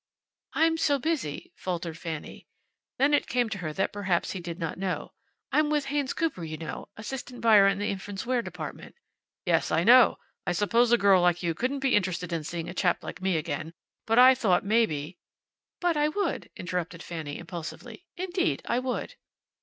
"I'm so busy," faltered Fanny. Then it came to her that perhaps he did not know. "I'm with Haynes Cooper, you know. Assistant buyer in the infants' wear department." "Yes, I know. I suppose a girl like you couldn't be interested in seeing a chap like me again, but I thought maybe " "But I would," interrupted Fanny, impulsively. "Indeed I would."